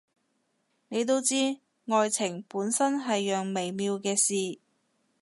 你都知，愛情本身係樣微妙嘅事